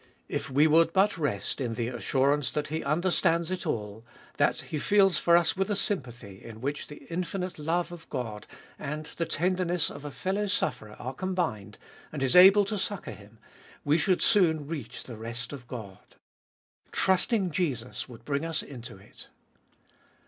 If we would but rest in the assurance that He understands it all, that He feels for us with a sympathy, in which the infinite love of God and the tenderness of a fellow sufferer are combined, and is able to succour him, we should soon reach the rest of God. Trusting Jesus would bring us into it.